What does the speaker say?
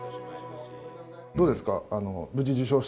どうですか。